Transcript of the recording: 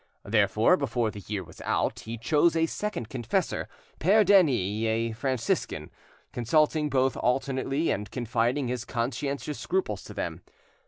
Therefore, before the year was out, he chose a second confessor, Pere Denys, a Franciscan, consulting both alternately, and confiding his conscientious scruples to them.